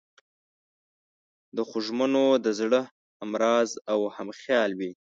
د خوږمنو د زړه همراز او همخیال وي.